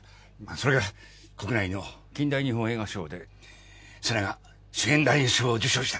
それから国内の近代日本映画賞で瀬那が主演男優賞を受賞した！